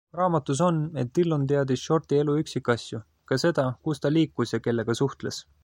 Raamatus on, et Dillon teadis Shorti elu üksikasju, ka seda, kus ta liikus ja kellega suhtles.